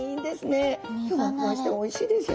ふわふわしておいしいですよ。